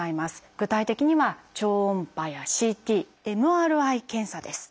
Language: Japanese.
具体的には超音波やＣＴＭＲＩ検査です。